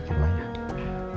siapa malah malah begini